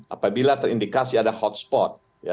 apabila terindikasi ada hotspot